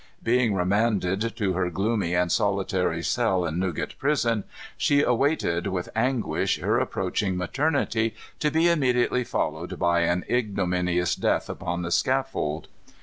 Being remanded to her gloomy and solitary cell in Newgate prison, she awaited, with anguish, her approaching maternity, to be immediately followed by an ignominious death upon the scaffold.